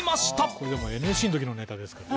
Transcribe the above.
「これでもＮＳＣの時のネタですから」